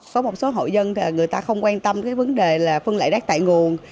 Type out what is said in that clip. có một số hộ dân người ta không quan tâm cái vấn đề là phân loại rác tại nguồn